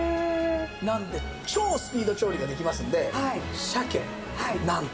なんで超スピード調理ができますんで鮭なんと２分です。